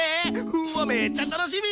うわめっちゃ楽しみ！